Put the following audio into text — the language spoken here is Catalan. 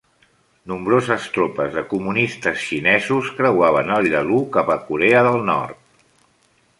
Nombroses tropes de comunistes xinesos creuaven el Yalu cap a Corea del Nord.